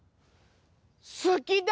すきだ！